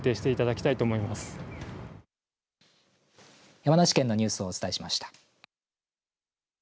山梨県のニュースをお伝えしました。